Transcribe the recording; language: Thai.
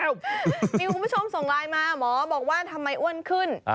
มีคุณผู้ชมส่งไลน์มาหมอบอกว่าทำไมอ้วนขึ้น